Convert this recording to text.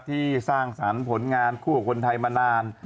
สร้างสรรค์ผลงานคู่กับคนไทยมานาน